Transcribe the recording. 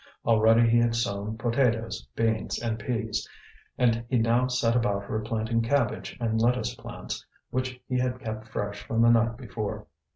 Already he had sown potatoes, beans, and peas; and he now set about replanting cabbage and lettuce plants, which he had kept fresh from the night before.